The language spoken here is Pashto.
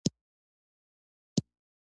پکتیکا د افغانستان د طبیعت برخه ده.